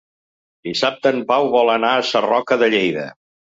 Dissabte en Pau vol anar a Sarroca de Lleida.